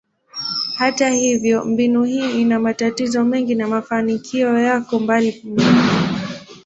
Hata hivyo, mbinu hii ina matatizo mengi na mafanikio yako mbali mno.